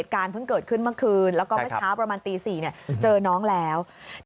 เกิดขึ้นเมื่อเช้าประมาณตี๔นี่เจอน้องแล้ว